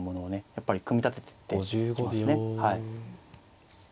やっぱり組み立てていきますね。